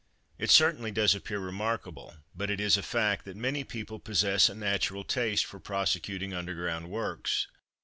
It certainly does appear remarkable, but it is a fact, that many people possess a natural taste for prosecuting underground works.